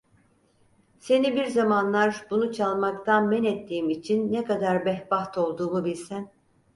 Seni bir zamanlar bunu çalmaktan menettiğim için ne kadar bedbaht olduğumu bilsen…